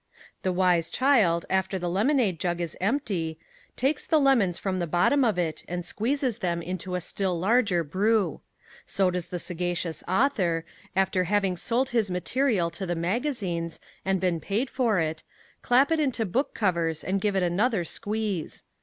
The wise child, after the lemonade jug is empty, takes the lemons from the bottom of it and squeezes them into a still larger brew. So does the sagacious author, after having sold his material to the magazines and been paid for it, clap it into book covers and give it another squeeze.